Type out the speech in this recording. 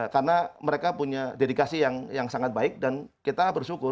karena mereka punya dedikasi yang sangat baik dan kita bersyukur